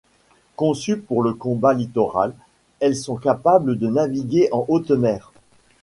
Conçues pour le combat littoral, elles sont capables de naviguer en haute mer.